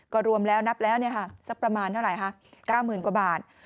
ก็รวมแล้วนับแล้วสักประมาณเท่าไหร่คะ๙๐๐กว่าบาท